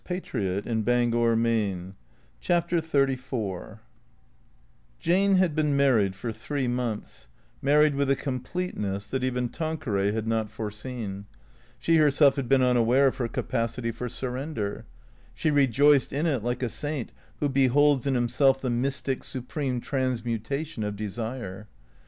But I could kill it if it came between you and me," XXXIV JANE had been married for three months, married with a completeness that even Tanqueray had not foreseen. She herself had been unaware of her capacity for surrender. She rejoiced in it like a saint who beholds in himself the mystic, supreme transmutation of desire.